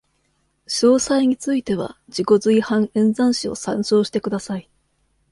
詳細については、自己随伴演算子を参照してください。